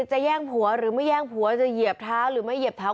แย่งผัวหรือไม่แย่งผัวจะเหยียบเท้าหรือไม่เหยียบเท้า